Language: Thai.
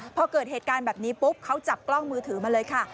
พอเกิดเหตุการณ์แบบนี้ปุ๊บเขาจับกล้องมือถือมาเลยค่ะ